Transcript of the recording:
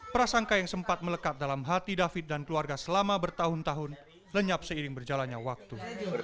prasangka yang sempat melekat dalam hati david dan keluarga selama bertahun tahun lenyap seiring berjalannya waktu